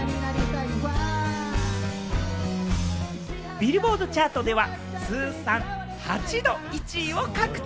ビルボードチャートでは通算８度の１位を獲得。